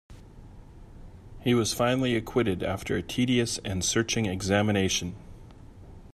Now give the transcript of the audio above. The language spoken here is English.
He was finally acquitted after a tedious and searching examination.